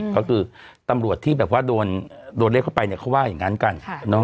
ก็คือตำรวจที่แบบว่าโดนเรียกเข้าไปเขาว่าอย่างนั้นกัน